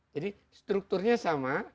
jadi strukturnya sama